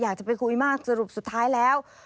อยากจะไปคุยมากสรุปสุดท้ายแล้ว